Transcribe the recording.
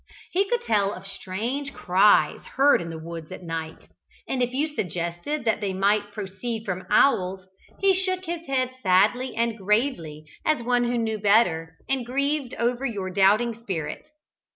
He could tell of strange cries heard in the woods at night, and if you suggested that they might proceed from owls, he shook his head sadly and gravely, as one who knew better, and grieved over your doubting spirit.